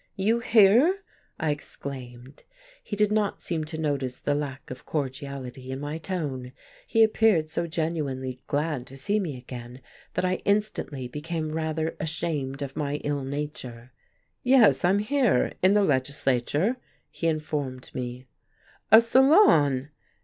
"You here?" I exclaimed. He did not seem to notice the lack of cordiality in my tone. He appeared so genuinely glad to see me again that I instantly became rather ashamed of my ill nature. "Yes, I'm here in the legislature," he informed me. "A Solon!"